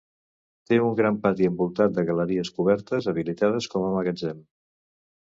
Té un gran pati envoltat de galeries cobertes habilitades com a magatzem.